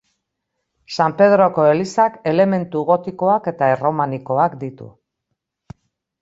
San Pedroko elizak elementu gotikoak eta erromanikoak ditu.